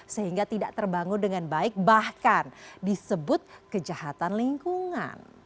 sehingga tidak terbangun dengan baik bahkan disebut kejahatan lingkungan